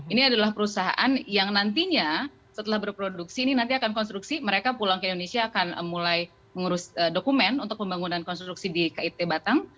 ini adalah perusahaan yang nantinya setelah berproduksi ini nanti akan konstruksi mereka pulang ke indonesia akan mulai mengurus dokumen untuk pembangunan konstruksi di kit batang